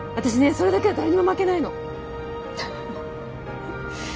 それだけは誰にも負けないの。